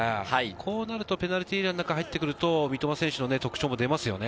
そうなるとペナルティーエリアの中に入ってくると、三笘選手の特徴も出ますよね。